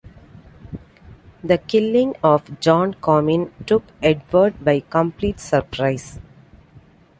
The killing of John Comyn took Edward by complete surprise.